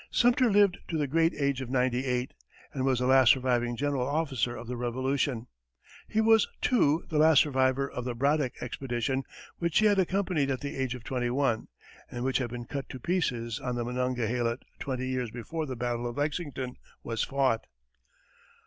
Sumter lived to the great age of ninety eight, and was the last surviving general officer of the Revolution. He was, too, the last survivor of the Braddock expedition, which he had accompanied at the age of twenty one, and which had been cut to pieces on the Monongahela twenty years before the battle of Lexington was fought.